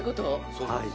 そうなんです。